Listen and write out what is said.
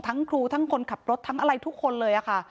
ครูทั้งคนขับรถทั้งอะไรทุกคนเลยค่ะ